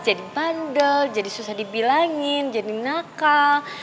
jadi bandel jadi susah dibilangin jadi nakal